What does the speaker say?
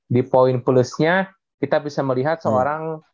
di poin plusnya kita bisa melihat seorang